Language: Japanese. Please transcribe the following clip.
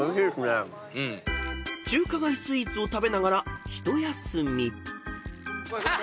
［中華街スイーツを食べながら一休み］